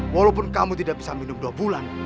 walaupun kamu tidak bisa minum dua bulan